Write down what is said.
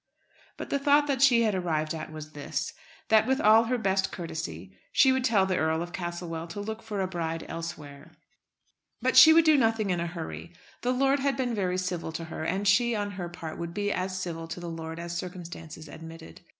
But the thought that she had arrived at was this, that with all her best courtesy she would tell the Earl of Castlewell to look for a bride elsewhere. But she would do nothing in a hurry. The lord had been very civil to her, and she, on her part, would be as civil to the lord as circumstances admitted.